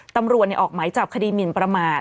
ตำรวจออกไหมจับคดีหมินประมาท